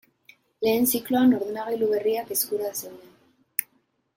Lehen zikloan ordenagailu berriak eskura zeuden.